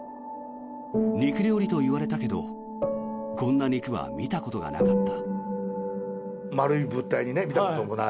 肉料理と言われたけどこんな肉は見たことがなかった。